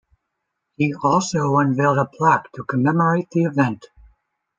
He also unveiled a plaque to commemorate the event.